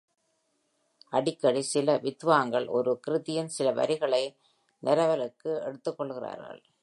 அடிக்கடி சில வித்வாங்கள் ஒரு க்ரிதியின் சில வரிகளை “நெரவலுக்கு” எடுத்துக் கொள்கிறார்கள்.